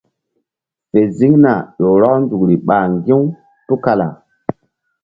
Fe ziŋna ƴo rɔk nzukri ɓa ŋgi̧ u tukala.